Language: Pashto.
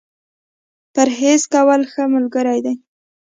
پرهېز کول ، ښه ملګری دی.